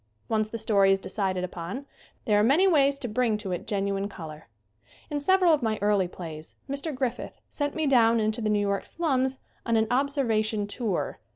Once the story is decided upon there are many ways to bring to it genuine color. In several of my early plays Mr. Griffith sent me down into the New York slums on an "observa tion tour."